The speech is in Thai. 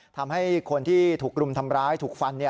ทำให้คนที่ถูกรุมทำร้ายถูกฟัน